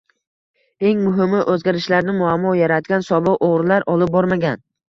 Eng muhimi, o'zgarishlarni muammo yaratgan sobiq o'g'rilar olib bormagan